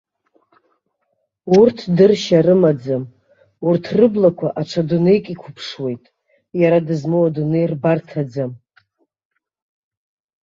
Урҭ дыршьа рымаӡам, урҭ рыблақәа аҽа дунеик иқәыԥшуеит, иара дызмоу адунеи рбарҭаӡам.